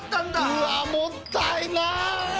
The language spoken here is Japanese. うわもったいない！